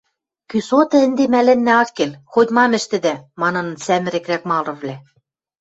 — Кӱсоты ӹнде мӓлӓннӓ ак кел, хоть-мам ӹштӹдӓ, — маныныт сӓмӹрӹкрӓк марывлӓ.